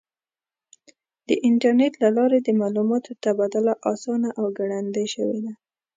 د انټرنیټ له لارې د معلوماتو تبادله آسانه او ګړندۍ شوې ده.